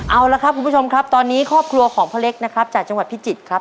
เอาละครับคุณผู้ชมครับตอนนี้ครอบครัวของพ่อเล็กนะครับจากจังหวัดพิจิตรครับ